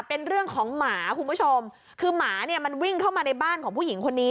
เป็นเรื่องของหมาคุณผู้ชมคือหมาเนี่ยมันวิ่งเข้ามาในบ้านของผู้หญิงคนนี้